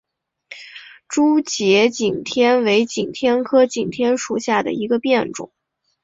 珠节景天为景天科景天属下的一个变种。